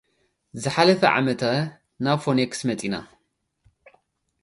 ዝሓለፈ ዓመት፡ ናብ ፎኒክስ መጺእና።